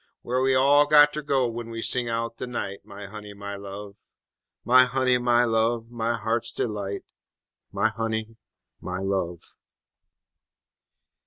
Whar we all got ter go w'en we sing out de night, My honey, my love! _My honey, my love, my heart's delight My honey, my love!